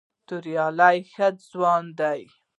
توریالی ښه ځوان دی.